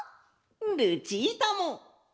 ルチータも！